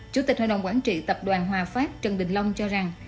chủ tịch hội đồng quản trị tập đoàn hòa phát trần bình long cho rằng